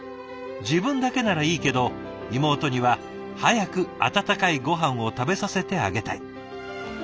自分だけならいいけど妹には早く温かいごはんを食べさせてあげたい。